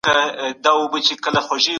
هغه کار چې په مینه وسی پایله یې ښه وي.